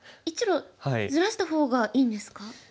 １路ずらした方がいいんですか？